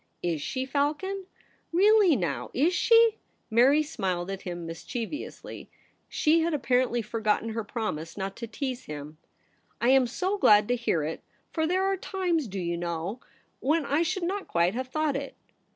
' Is she, Falcon ? Really now, is she ?' Mary smiled at him mischievously ; she had apparently forgotten her promise not to tease him. ' I am so glad to hear it ; for there are times, do you know, when I should not quite have thought it.'